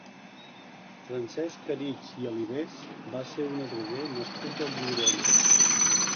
Francesc Caritg i Alibés va ser un adroguer nascut a Lliurona.